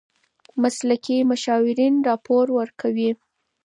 مسلکي مشاورین راپور ورکوي.